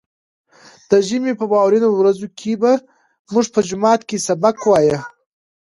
د ژمي په واورينو ورځو کې به موږ په جومات کې سبق وايه.